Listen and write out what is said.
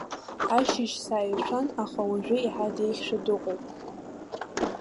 Ашьыжь сааиршәан, аха уажәы еиҳа деиӷьшәа дыҟоуп.